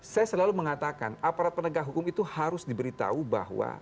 saya selalu mengatakan aparat penegak hukum itu harus diberitahu bahwa